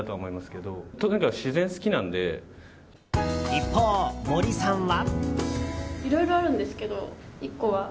一方、森さんは。